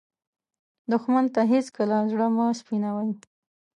دښمن ته هېڅکله زړه مه سپينوې